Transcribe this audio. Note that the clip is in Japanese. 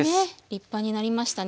立派になりましたね。